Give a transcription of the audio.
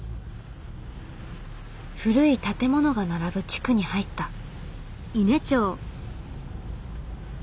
古い建物が並ぶ地区に入った。